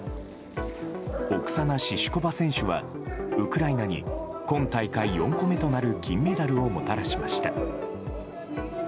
オクサナ・シシュコバ選手はウクライナに今大会４個目となる金メダルをもたらしました。